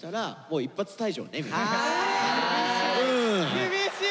厳しい！